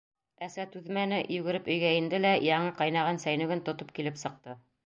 Әсә түҙмәне, йүгереп өйгә инде лә, яңы ҡайнаған сәйнүген тотоп килеп сыҡты.